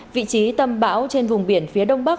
vị trí tâm bão trên vùng biển phía đông bắc